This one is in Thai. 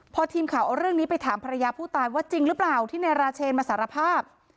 พอทีมข่าวเอาเรื่องนี้ไปถามภรรยาผู้ตายว่าจริงหรือเปล่าที่นายราเชนมาสารภาพ